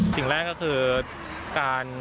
สิ่งแรกก็คือการ